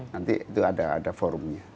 nanti itu ada forumnya